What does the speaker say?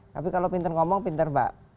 tapi kalau pinter ngomong pinter mbak